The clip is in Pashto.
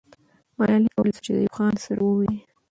ملالۍ کولای سوای چې د ایوب خان سره وویني.